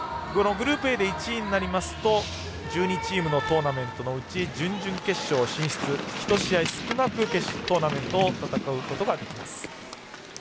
グループＡで１位になりますと１２チームのトーナメントのうち準々決勝進出１試合少なくトーナメントを戦うことができます。